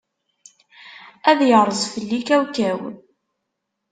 Ad yerẓ fell-i kawkaw.